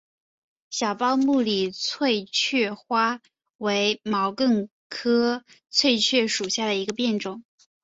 小苞木里翠雀花为毛茛科翠雀属下的一个变种。